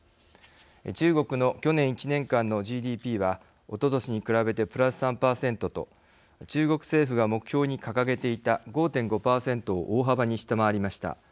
中国の去年１年間のＧＤＰはおととしに比べてプラス３．０％と中国政府が目標に掲げていた５．５％を大幅に下回りました。